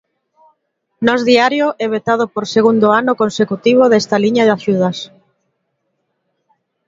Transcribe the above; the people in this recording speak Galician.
Nós Diario é vetado por segundo ano consecutivo desta liña de axudas.